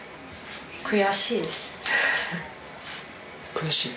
悔しい？